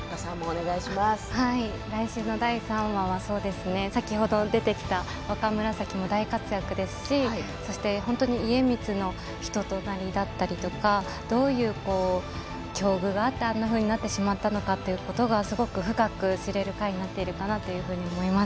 来週の第３話は先ほど出てきた若紫も大活躍ですし、そして本当に家光の人となりだったりどういう境遇があってあんなふうになってしまったのかということがすごく深く知れる回になっているかなと思っています。